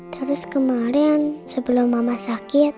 terus kemarin sebelum mama sakit